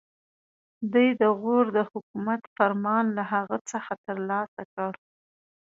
دوی د غور د حکومت فرمان له هغه څخه ترلاسه کړ.